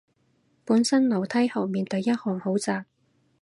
本身樓梯後面第一行好窄